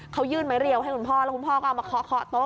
เขายื่นไม้เรียวให้คุณพ่อแล้วคุณพ่อก็เอามาเคาะโต๊